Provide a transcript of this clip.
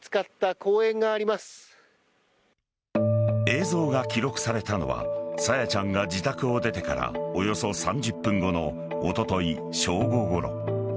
映像が記録されたのは朝芽ちゃんが自宅を出てからおよそ３０分後のおととい正午ごろ。